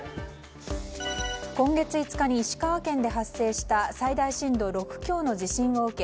今月５日に石川県で発生した最大震度６強の地震を受け